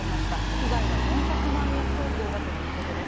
被害は４００万円相当だということです。